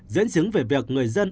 dẫn chứng về việc người dân